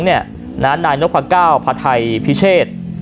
น้านไหนโน๊ตภักดิ์๙พไทพิเชษ